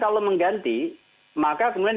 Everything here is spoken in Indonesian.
kalau mengganti maka kemudian